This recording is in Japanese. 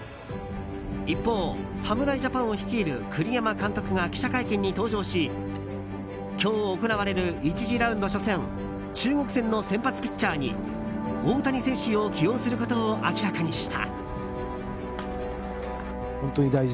一方、侍ジャパンを率いる栗山監督が記者会見に登場し今日行われる１次ラウンド初戦中国戦の先発ピッチャーに大谷選手を起用することを明らかにした。